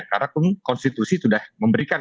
karena konstitusi sudah memberikan